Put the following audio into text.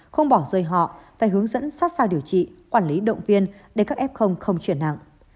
không bỏ rơi họ phải hướng dẫn sát sao điều trị quản lý động viên để các f không chuyển nặng